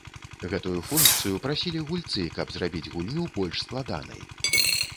Гэтую функцыю прасілі гульцы, каб зрабіць гульню больш складанай.